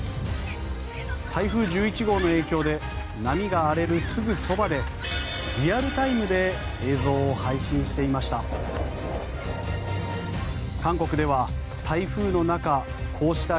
台風１１号の影響で波が荒れるすぐそばでリアルタイムで映像を配信していました。